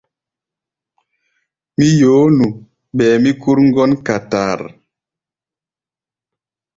Mí yoó nu, ɓɛɛ mí kúr ŋgɔ́n katar.